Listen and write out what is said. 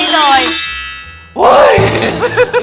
ใช่เลย